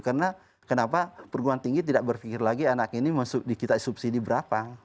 karena kenapa perguruan tinggi tidak berpikir lagi anak ini kita subsidi berapa